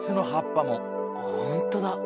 ほんとだ。